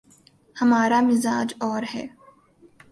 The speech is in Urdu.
ہمارامزاج اور ہے۔